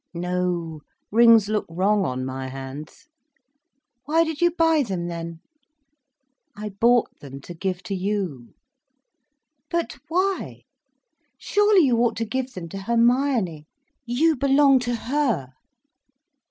"No. Rings look wrong on my hands." "Why did you buy them then?" "I bought them to give to you." "But why? Surely you ought to give them to Hermione! You belong to her."